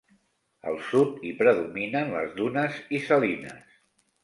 Al sud, hi predominen les dunes i salines.